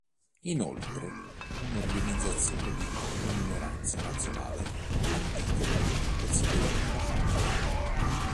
Inoltre, un'organizzazione di ogni minoranza nazionale ha titolo per sedere nella Camera.